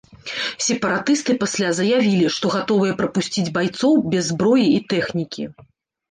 Сепаратысты пасля заявілі, што гатовыя прапусціць байцоў без зброі і тэхнікі.